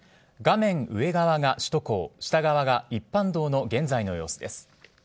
画面上側が首都高下側が一般道の現在の様子です。